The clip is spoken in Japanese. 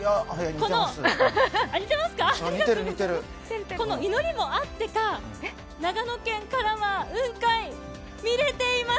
この祈りもあってか、長野県からは雲海、見えています。